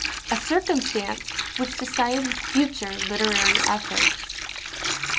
A circumstance which decided his future literary efforts.